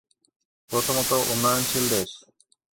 প্রথমত, উন্নয়নশীল দেশ।